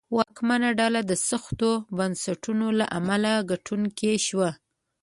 واکمنه ډله د سختو بنسټونو له امله ګټونکې شوه.